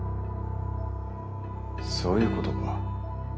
そういうことか。